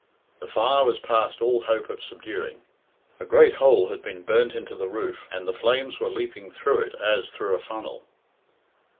The fire was past all hope of subduing. A great hole had been burnt into the roof, and the flames were leaping through it as through a funnel.